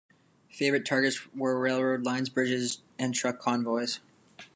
Favorite targets were railroad lines, bridges, and truck convoys.